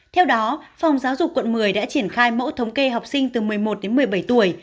theo đó phòng giáo dục quận một mươi đã triển khai mẫu thống kê học sinh từ một mươi một đến một mươi bảy tuổi